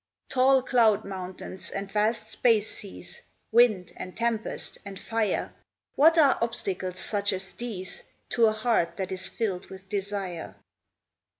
Tall cloud mountains and vast space seas, Wind, and tempest, and fire What are obstacles such as these To a heart that is filled with desire?